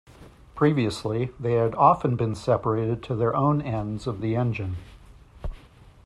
Previously they had often been separated to their own ends of the engine.